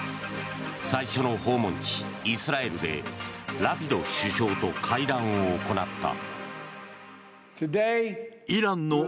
最初の訪問地、イスラエルでラピド首相と会談を行った。